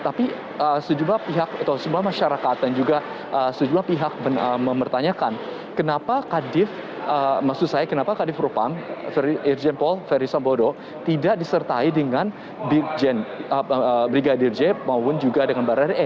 tapi sejumlah pihak atau sebuah masyarakat dan juga sejumlah pihak mempertanyakan kenapa kadev maksud saya kenapa kadev propam irjen pol verisampo tidak disertai dengan brigadir j maupun juga dengan baradei